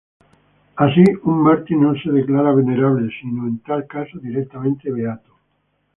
Así, un mártir no es declarado Venerable, sino, en tal caso, directamente beato.